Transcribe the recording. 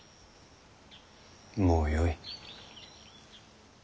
もうよい。